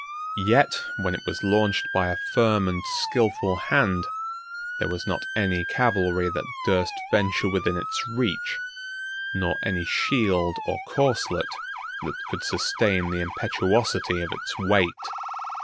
Yet when it was launched by a firm and skilful hand, there was not any cavalry that durst venture within its reach, nor any shield or corselet that could sustain the impetuosity of its weight.